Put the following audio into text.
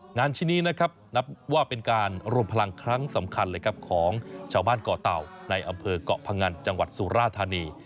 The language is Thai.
งานชิ้นนี้นะครับนับว่าเป็นการรวมพลังครั้งสำคัญเลยครับของชาวบ้านก่อเต่าในอำเภอกเกาะพงันจังหวัดสุราธานี